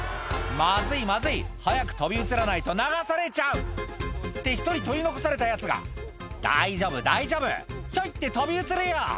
まずいまずい早く飛び移らないと流されちゃうって１人取り残されたヤツが「大丈夫大丈夫ひょいって飛び移るよ」